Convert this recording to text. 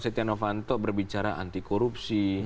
setia novanto berbicara anti korupsi